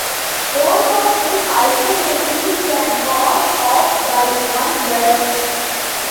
Both of these alternatives can cause off-by-one errors.